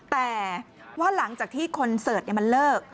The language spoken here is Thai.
แต่ว่าหลังจากที่คอนเสิร์ตมันเลิก